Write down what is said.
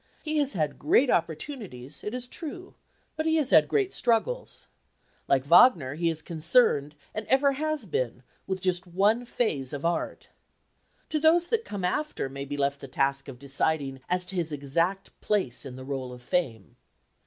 He has had great opportunities, it is true, but he has had great struggles. Like Wagner, he is concerned, and ever has been, with just one phase of art. To those that come after may be left the task of deciding as to his exact place in the roll of fame.